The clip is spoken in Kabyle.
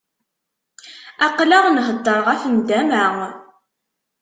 Aql-aɣ nhedder ɣef nndama.